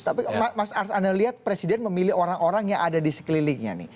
tapi mas ars anda lihat presiden memilih orang orang yang ada di sekelilingnya nih